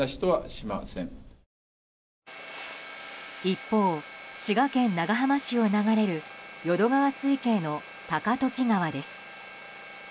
一方、滋賀県長浜市を流れる淀川水系の高時川です。